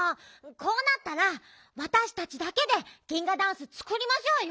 こうなったらわたしたちだけでギンガダンスつくりましょうよ！